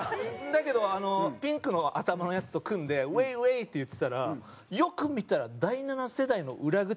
だけどピンクの頭のヤツと組んでウェイウェイって言ってたらよく見たら第七世代の裏口の鍵が開いてたんですよ。